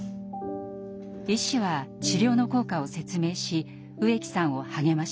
医師は治療の効果を説明し植木さんを励まします。